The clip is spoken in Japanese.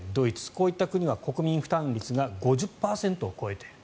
こういった国は国民負担率が５０％を超えている。